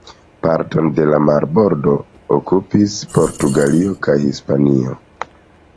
Parton de la marbordo okupis Portugalio kaj Hispanio.